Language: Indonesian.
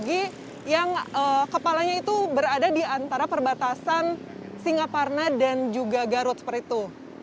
sudah terjadi kemacetan dari tadi pagi yang kepalanya itu berada di antara perbatasan singaparna dan juga garut seperti itu